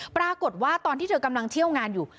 ตอนที่เธอกำลังเที่ยวงานอยู่